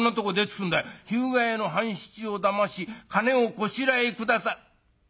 『日向屋の半七をだまし金をこしらえ下さ』。